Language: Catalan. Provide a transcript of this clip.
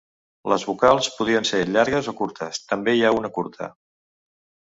Les vocals podien ser llargues o curtes; també hi ha una curta.